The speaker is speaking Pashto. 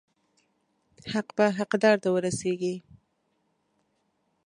حق به حقدار ته ورسیږي.